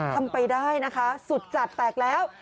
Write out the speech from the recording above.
ทำไปได้นะคะสุดจัดแตกแล้ว